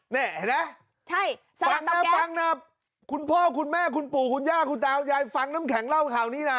แน่นะฟังนะคุณพ่อคุณแม่คุณปู่คุณย่าคุณตาวยายฟังน้ำแข็งเล่าข้าวนี้นะ